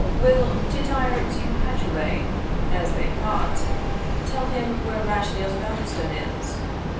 Will Tityre tu patulae, as they ca' it, tell him where Rashleigh Osbaldistone is?